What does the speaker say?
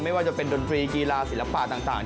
ไม่ว่าจะเป็นดนตรีกีฬาศิลปะต่าง